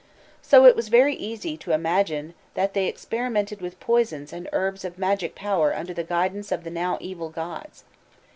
So it was very easy to imagine that they experimented with poisons and herbs of magic power under the guidance of the now evil gods.